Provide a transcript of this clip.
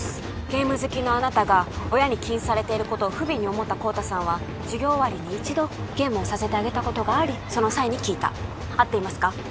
ゲーム好きのあなたが親に禁止されていることを不憫に思った孝多さんは授業終わりに一度ゲームをさせてあげたことがありその際に聞いた合っていますか？